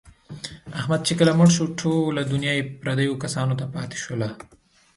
احمد چې کله مړ شو، ټوله دنیا یې پردیو کسانو ته پاتې شوله.